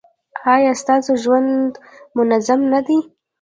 ایا ستاسو ژوند منظم نه دی؟